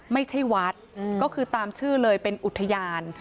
ไม่ใช่วัดก็คือตามชื่อเลยเป็นอุทยาน